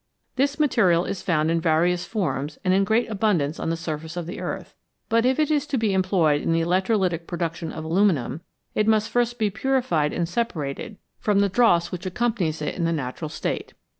Tin's material is found in various forms and in great abundance on the surface of the earth, but if it is to be employed in the electrolytic production of aluminium, it must first be purified and separated from the dross which 299 CHEMISTRY AND ELECTRICITY accompanies it in the natural state.